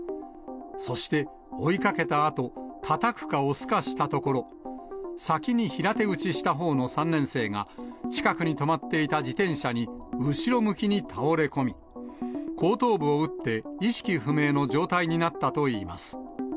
そして、追いかけたあと、たたくか押すかしたところ、先に平手打ちしたほうの３年生が、近くに止まっていた自転車に後ろ向きに倒れ込み、後頭部を打って、意識不明の状態になったといいます。